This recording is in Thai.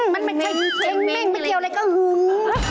มันไม่ใช่เช้งเม่งไม่เกี่ยวอะไรก็หึง